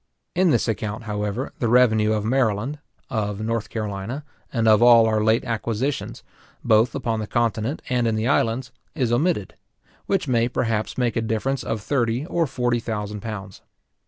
In this account, however, the revenue of Maryland, of North Carolina, and of all our late acquisitions, both upon the continent, and in the islands, is omitted; which may, perhaps, make a difference of thirty or forty thousand pounds.